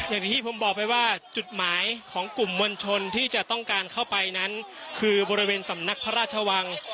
อย่างที่ผมบอกไปว่าจุดหมายของกลุ่มมวลชนที่จะต้องการเข้าไปนั้นคือบริเวณสำนักพระราชวัง